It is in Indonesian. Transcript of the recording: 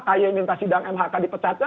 kaye minta sidang mhk dipecatnya